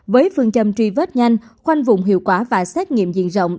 với phương châm truy vết nhanh khoanh vùng hiệu quả và xét nghiệm diện rộng